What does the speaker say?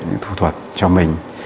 những thủ thuật cho mình